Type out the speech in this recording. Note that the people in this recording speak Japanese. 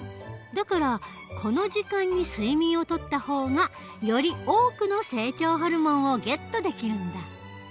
だからこの時間に睡眠をとった方がより多くの成長ホルモンをゲットできるんだ。